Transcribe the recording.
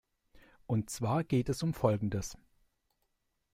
Und zwar geht es um Folgendes.